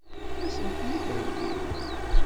Ad sen-ten-id-iheggi?